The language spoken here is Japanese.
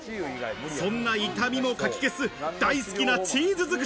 そんな痛みもかき消す大好きなチーズづくし。